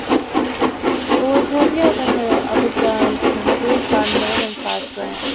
It was heavier than the other ground finches by more than five grams.